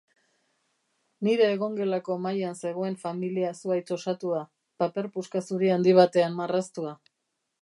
Nire egongelako mahaian zegoen familia-zuhaitz osatua, paper puska zuri handi batean marraztua.